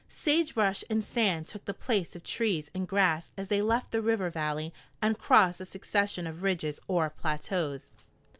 Sagebrush and sand took the place of trees and grass as they left the river valley and crossed a succession of ridges or plateaus.